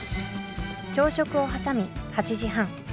朝食を挟み８時半